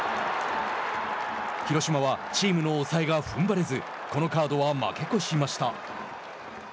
広島はチームの抑えがふんばれずこのカードは負け越しました。